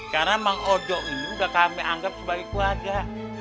karena bang ojo ini udah kami anggap sebagai keluarga